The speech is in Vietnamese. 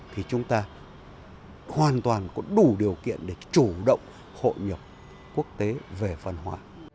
thì chúng ta hoàn toàn có đủ điều kiện để chủ động hội nhập quốc tế về văn hóa